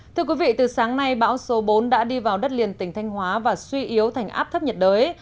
thưa quý vị từ sáng nay bão số bốn đã đi vào đất liền tỉnh thanh hóa và suy yếu thành áp thấp nhiệt đới